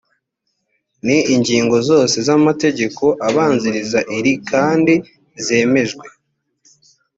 ni ingingo zose z’amategeko abanziriza iri kandi zemejwe